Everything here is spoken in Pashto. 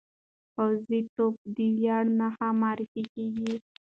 پوځي توب د ویاړ نښه معرفي کېږي.